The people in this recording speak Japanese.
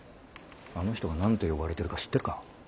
あの人が何て呼ばれてるか知ってるか？